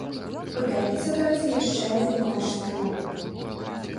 У пятніцу пройдзе яшчэ адзін матч тура.